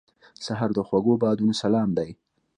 سهار د خوږو بادونو سلام دی.